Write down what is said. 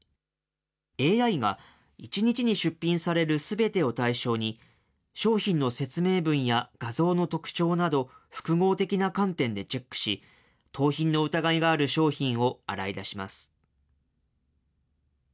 ＡＩが１日に出品されるすべてを対象に、商品の説明文や画像の特徴など、複合的な観点でチェックし、盗品の疑いがある商品を洗い出します。